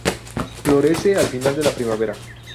Florece al final de la primavera.